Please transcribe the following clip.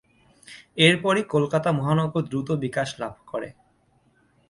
এরপরই কলকাতা মহানগর দ্রুত বিকাশ লাভ করে।